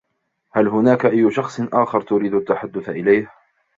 هل هناك أي شخص آخر تريد التحدث إليه؟